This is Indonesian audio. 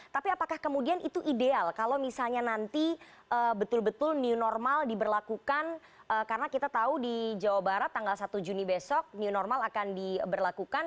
tapi apakah kemudian itu ideal kalau misalnya nanti betul betul new normal diberlakukan karena kita tahu di jawa barat tanggal satu juni besok new normal akan diberlakukan